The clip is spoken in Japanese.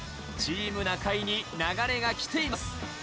チーム中居に流れが来ています。